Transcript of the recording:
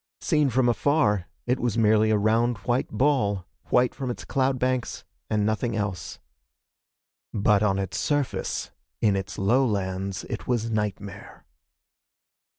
Seen from afar, it was merely a round white ball white from its cloud banks and nothing else. But on its surface, in its lowlands it was nightmare.